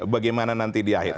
bagaimana nanti di akhir